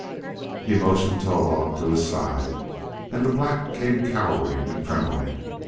He motioned Towahg to his side, and the black came cowering and trembling.